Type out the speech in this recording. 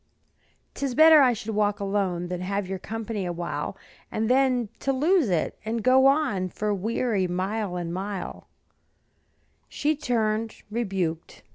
"'Tis better I should walk alone Than have your company awhile, And then to lose it, and go on For weary mile on mile," She turned, rebuked.